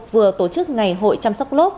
vừa tổ chức ngày hội chăm sóc lốp